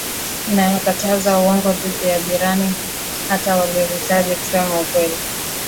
inayokataza uongo dhidi ya jirani Hata waliojitahidi kusema ukweli